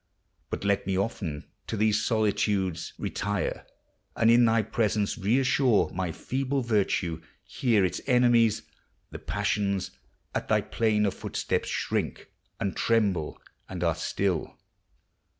But let me often to these solitudes Retire, and in thy presence reassure My feeble virtue. Here its enemies, The passions, at thy plainer footsteps shrink And tremble, and are still.